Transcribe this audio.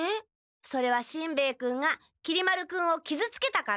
それはしんべヱ君がきり丸君をきずつけたから。